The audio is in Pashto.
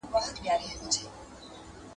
پېري ته غزنى څه شي دئ.